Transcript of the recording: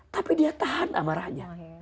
tapi dia tahan amarahnya